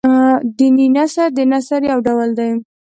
دیني نثر د نثر يو ډول دﺉ.